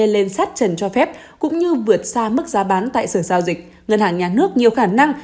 lên sát trần cho phép cũng như vượt xa mức giá bán tại sở giao dịch ngân hàng nhà nước nhiều khả năng